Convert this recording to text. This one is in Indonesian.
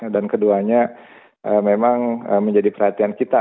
dan keduanya memang menjadi perhatian kita